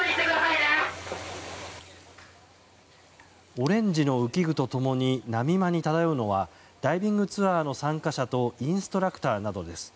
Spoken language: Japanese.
オレンジの浮き具と共に波間に漂うのはダイビングツアーの参加者とインストラクターなどです。